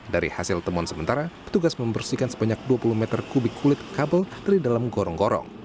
dari hasil temuan sementara petugas membersihkan sebanyak dua puluh meter kubik kulit kabel dari dalam gorong gorong